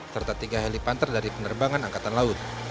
serta tiga heli pantai dari penerbangan angkatan laut